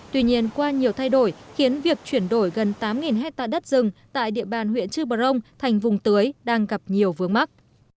tuy nhiên qua nhiều thay đổi khiến việc chuyển đổi gần tám hectare đất rừng tại địa bàn huyện chuparong thành vùng tưới đang gặp nhiều vướng mắt